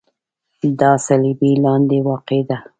دا د صلبیې لاندې واقع ده.